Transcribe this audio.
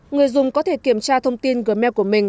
người dùng có thể kiểm tra thông tin gm của mình